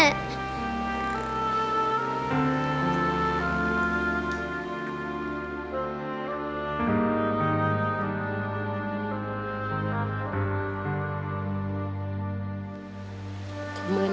ขอมือหน่อย